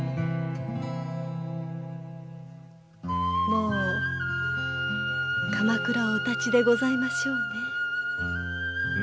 もう鎌倉をおたちでございましょうね。